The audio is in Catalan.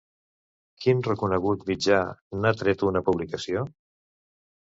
Quin reconegut mitjà n'ha tret una publicació?